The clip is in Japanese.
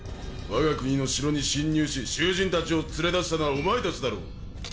わが国の城に侵入し囚人たちを連れ出したのはお前たちだろう。